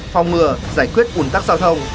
phòng ngừa giải quyết bùn tắc giao thông